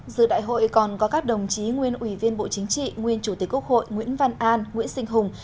giữa đại hội còn có các đồng chí nguyên ủy viên bộ chính trị nguyên chủ tịch quốc hội nguyễn văn an nguyễn sinh hùng